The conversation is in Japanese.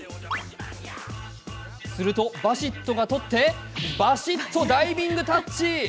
するとバシットが取ってバシッとダイビングタッチ。